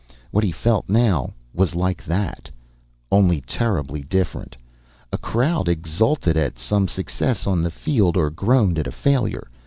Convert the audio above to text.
What he felt now was like that. Only terribly different. A crowd exulted at some success on the field, or groaned at a failure.